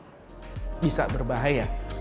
dan tentu ini bisa berbahaya